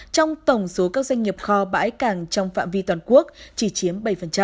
trong tổng số các doanh nghiệp kho bãi cảng trong phạm vi toàn quốc chỉ chiếm bảy